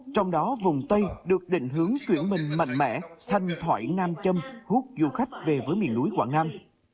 trong đó vùng tây được định hướng chuyển mình mạnh mẽ thanh thoại nam châm hút du khách về với miền núi quảng nam